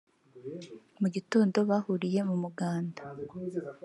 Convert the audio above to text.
Mu gitondo bahuriye mu Umuganda